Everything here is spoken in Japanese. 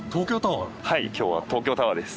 今日は東京タワーです。